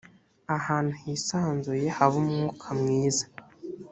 ahantu hisanzuye haba umwuka mwiza.